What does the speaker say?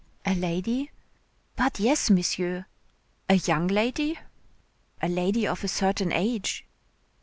"A lady?" "But yes, Monsieur." "A young lady?" "A lady of a certain age."